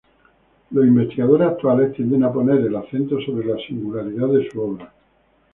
Los investigadores actuales tienden a poner el acento sobre la singularidad de su obra.